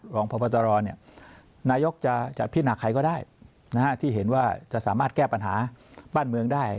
รองพระพัทรรอนี่นายกจะพิจารณาใครก็ได้นะฮะที่เห็นว่าจะสามารถแก้ปัญหาบ้านเมืองได้